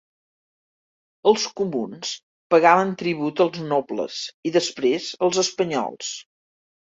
Els comuns pagaven tribut als nobles, i després als espanyols.